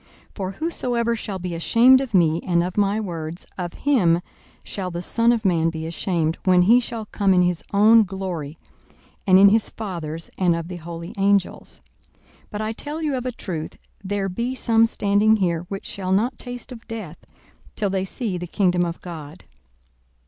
42:009:026 For whosoever shall be ashamed of me and of my words, of him shall the Son of man be ashamed, when he shall come in his own glory, and in his Father's, and of the holy angels. 42:009:027 But I tell you of a truth, there be some standing here, which shall not taste of death, till they see the kingdom of God.